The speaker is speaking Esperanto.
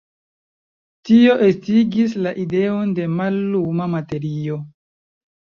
Tio estigis la ideon de malluma materio.